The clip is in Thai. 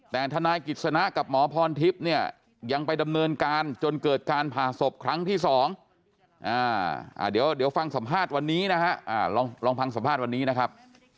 แต่ทนายกฤษณะกับหมอพรทิพย์เนี่ยยังไปดำเนินการจนเกิดการผ่าศพครั้งที่๒เดี๋ยวฟังสัมภาษณ์วันนี้นะครับ